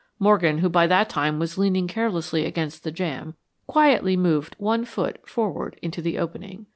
Morgan, who by that time was leaning carelessly against the jamb, quietly moved one foot forward into the opening.